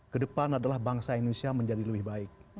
kedepan adalah bangsa indonesia menjadi lebih baik